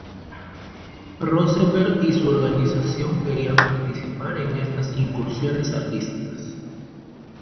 Rosenberg y su organización querían participar en estas incursiones artísticas.